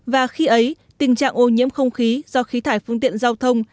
và khi ấy tình trạng ô nhiễm không khí do khí thải phương tiện giao thông